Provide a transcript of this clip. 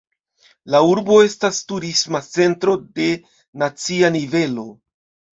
La urbo estas turisma centro de nacia nivelo.